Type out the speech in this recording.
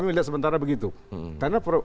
kita melihat sementara begitu karena